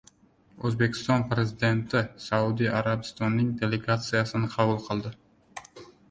O‘zbekiston Prezidenti Saudiya Arabistonining delegatsiyasini qabul qildi